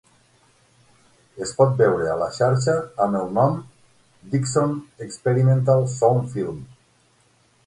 Es pot veure a la xarxa amb el nom "Dickson Experimental Sound Film".